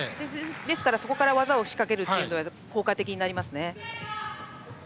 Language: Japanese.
ですから、そこから技を仕掛けると効果的になります。